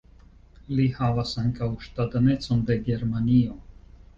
Li havas ankaŭ ŝtatanecon de Germanio.